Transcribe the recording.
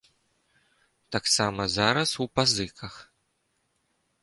Таксама зараз у пазыках.